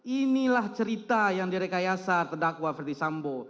inilah cerita yang direkayasa terdakwa ferdi sambo